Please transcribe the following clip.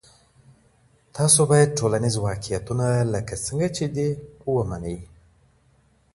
تاسو باید ټولنیز واقعیتونه لکه څنګه چې دي ومنئ.